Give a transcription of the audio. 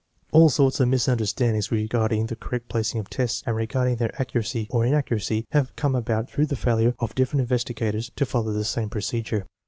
All sorts of misunderstandings re garding the correct placing of tests and regarding their accuracy or inaccuracy have come about through the failure of different investigators to follow the same procedure.